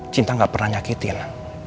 cinta gak pernah nyakitin